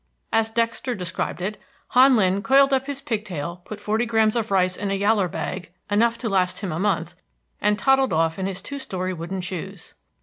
As Dexter described it, "Han Lin coiled up his pig tail, put forty grains of rice in a yallar bag, enough to last him a month! and toddled off in his two story wooden shoes."